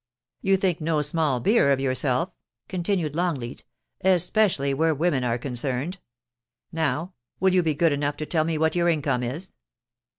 * You think no small beer of yourself,' continued Longleat, * especially where women are concerned. Now, will you be good enough to tell me what your income is